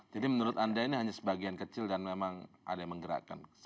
jadi menurut anda ini hanya sebagian kecil dan memang ada yang menggerakkan